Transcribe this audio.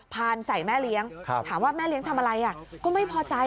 ใส่แม่เลี้ยงถามว่าแม่เลี้ยงทำอะไรก็ไม่พอใจ